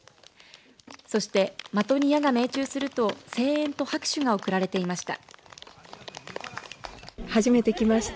そして的に矢が命中すると声援と拍手が送られていました。